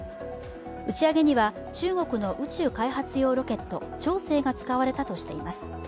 打ち上げには中国の宇宙開発用ロケット長征が使われたとしています。